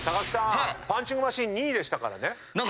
木さんパンチングマシーン２位でしたからね。